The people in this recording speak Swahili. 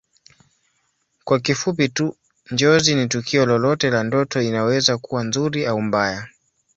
Kwa kifupi tu Njozi ni tukio lolote la ndoto inaweza kuwa nzuri au mbaya